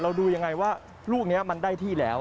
ดูยังไงว่าลูกนี้มันได้ที่แล้ว